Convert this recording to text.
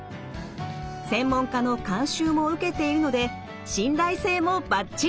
専門家の監修も受けているので信頼性もバッチリ！